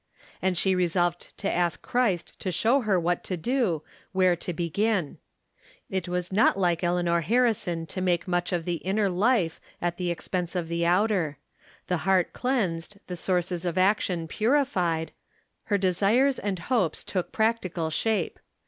And she resolved to ask Christ to show her what to do, where to be gin. It was not like Eleanor Harrison to make much of the inner life at the expense of the outer. The heart cleansed, the sources of action purified, her desires and hopes took practical shape.